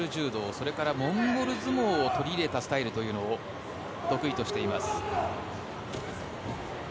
それからモンゴル相撲を取り入れたスタイルというのを得意としています。